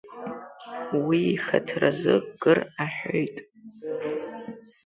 Уи ихаҭаразы кыр аҳәоит.